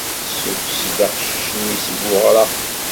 Tessukkes-d aqcic-nni seg uɣraq.